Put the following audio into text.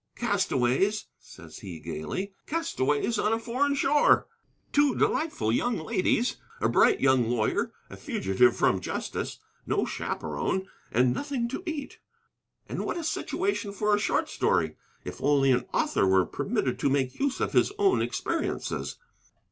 "Castaways," says he, gayly, "castaways on a foreign shore. Two delightful young ladies, a bright young lawyer, a fugitive from justice, no chaperon, and nothing to eat. And what a situation for a short story, if only an author were permitted to make use of his own experiences!"